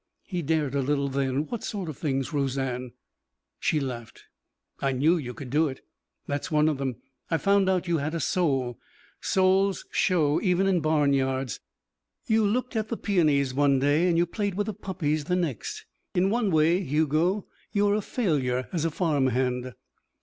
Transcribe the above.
He dared a little then. "What sort of things, Roseanne?" She laughed. "I knew you could do it! That's one of them. I found out you had a soul. Souls show even in barn yards. You looked at the peonies one day and you played with the puppies the next. In one way Hugo you're a failure as a farm hand."